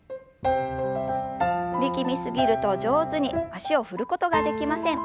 力み過ぎると上手に脚を振ることができません。